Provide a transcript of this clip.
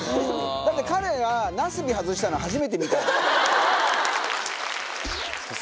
だって彼が、ナスビ外したの、初めて見た。